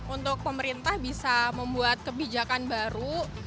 untuk pemerintah bisa membuat kebijakan baru